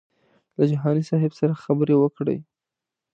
له جهاني صاحب سره خبرې وکړې.